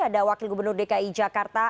ada wakil gubernur dki jakarta